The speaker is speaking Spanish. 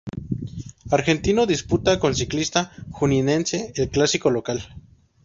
Argentino disputa con Ciclista Juninense el clásico local.